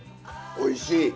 おいしい。